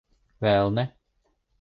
Vēl ne.